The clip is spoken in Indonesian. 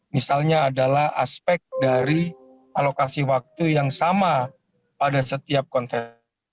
misalnya adalah aspek dari alokasi waktu yang sama pada setiap konten